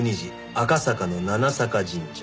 赤坂の七坂神社」